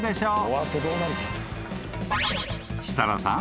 ［設楽さん。